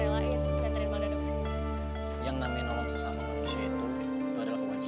bapak masih di kantor ya